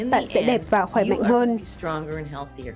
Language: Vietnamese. bạn sẽ đẹp và khỏe mạnh hơn